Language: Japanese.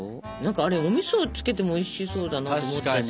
あれおみそつけてもおいしそうだなと思ったし。